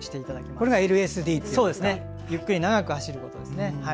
これがＬＳＤといってゆっくり長く走ることです。